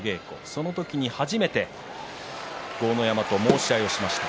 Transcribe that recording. その時に初めて豪ノ山と申し合いをしました。